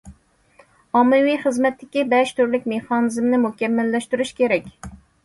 ئاممىۋى خىزمەتتىكى بەش تۈرلۈك مېخانىزمنى مۇكەممەللەشتۈرۈش كېرەك.